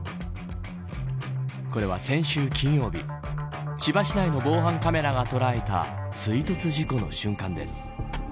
これは、先週金曜日千葉市内の防犯カメラが捉えた追突事故の瞬間です。